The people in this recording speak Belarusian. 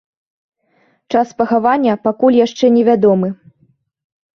Час пахавання пакуль яшчэ невядомы.